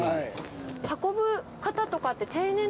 運ぶ方とかって。